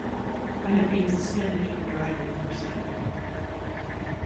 I have been suspended from driving for speeding.